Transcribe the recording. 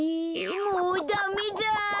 もうダメだ！